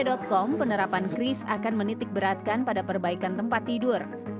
di kata kata com penerapan kris akan menitik beratkan pada perbaikan tempat tidur